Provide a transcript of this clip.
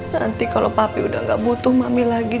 nanti kalau papi udah gak butuh mami lagi